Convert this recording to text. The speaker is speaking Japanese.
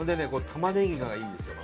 玉ねぎがいいんですよ